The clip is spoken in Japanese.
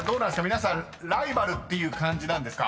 皆さんライバルって感じですか？］